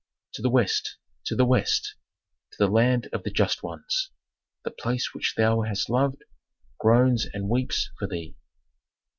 To the West, to the West, to the land of the just ones! The place which thou hast loved groans and weeps for thee!"